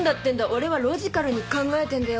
俺はロジカルに考えてんだよ。